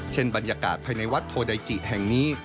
บรรยากาศภายในวัดโทไดจิแห่งนี้